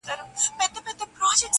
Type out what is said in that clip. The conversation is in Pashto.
پر ټول جهان دا ټپه پورته ښه ده~